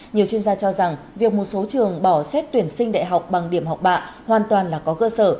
nhiều chuyên gia cho rằng việc một số trường bỏ xét tuyển sinh đại học bằng điểm học bạ hoàn toàn là có cơ sở